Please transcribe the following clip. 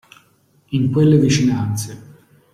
In quelle vicinanze.